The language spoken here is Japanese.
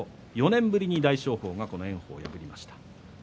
４年ぶりに大翔鵬が炎鵬を破りました。